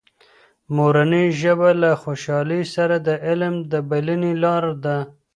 مورنۍ ژبه له خوشحالۍ سره د علم د بلنې لاره ده.